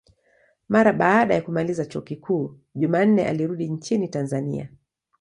Mara baada ya kumaliza chuo kikuu, Jumanne alirudi nchini Tanzania.